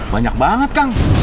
banyak banget kang